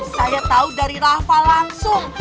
saya tahu dari rafa langsung